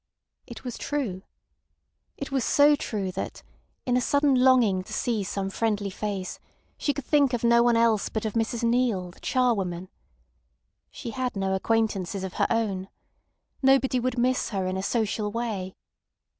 It was true. It was so true that, in a sudden longing to see some friendly face, she could think of no one else but of Mrs Neale, the charwoman. She had no acquaintances of her own. Nobody would miss her in a social way.